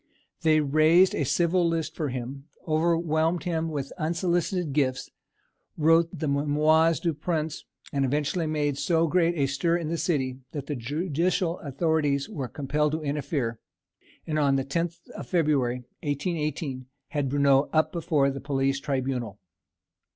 They raised a civil list for him, overwhelmed him with unsolicited gifts, wrote the "Mémoires du Prince," and eventually made so great a stir in the city that the judicial authorities were compelled to interfere, and on the 10th of February, 1818, had Bruneau up before the Police Tribunal.